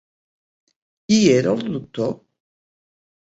Hi era el doctor?